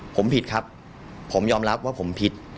ผมผิดครับผมยอมรับว่าผมผิด